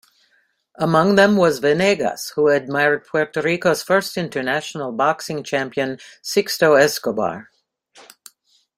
Among them was Venegas, who admired Puerto Rico's first international boxing champion, Sixto Escobar.